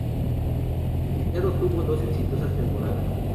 El seriado tuvo dos exitosas temporadas.